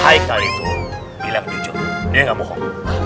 kali itu bilang jujur dia nggak bohong